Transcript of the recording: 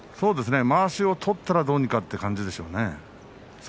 まわしを取ったらどうかということですね